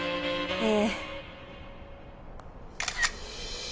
ええ。